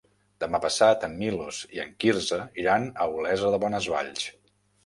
Demà passat en Milos i en Quirze iran a Olesa de Bonesvalls.